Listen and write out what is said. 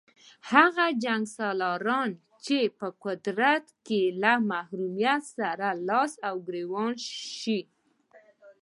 هغه جنګسالاران چې په قدرت کې له محرومیت سره لاس او ګرېوان شي.